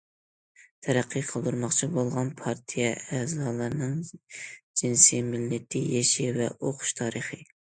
تەرەققىي قىلدۇرۇلماقچى بولغان پارتىيە ئەزالىرىنىڭ جىنسى، مىللىتى، يېشى ۋە ئوقۇش تارىخى.